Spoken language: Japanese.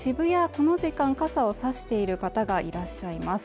この時間傘を差している方がいらっしゃいます